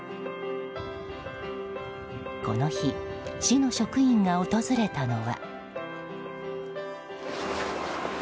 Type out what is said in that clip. この日、市の職員が訪れたのは。